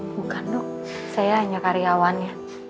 bukan dok saya hanya karyawannya